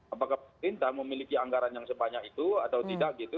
apakah pemerintah memiliki anggaran yang sebanyak itu atau tidak gitu